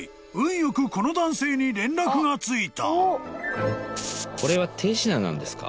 よくこの男性に連絡がついた］